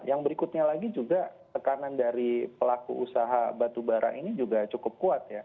yang berikutnya lagi juga tekanan dari pelaku usaha batubara ini juga cukup kuat ya